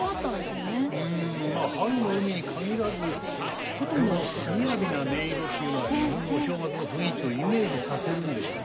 まあ「春の海」に限らず箏のみやびな音色というのは日本のお正月の雰囲気をイメージさせるんでしょうね。